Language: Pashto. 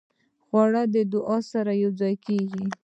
خوړل د دعا سره یوځای کېږي